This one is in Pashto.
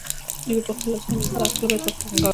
دوی به خپل لاسونه وینځل او خوله به یې کنګالوله.